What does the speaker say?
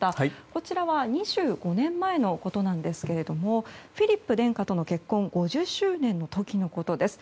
こちらは２５年前のことなんですがフィリップ殿下との結婚５０周年の時のことです。